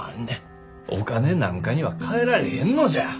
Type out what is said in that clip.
お金なんかにはかえられへんのじゃ。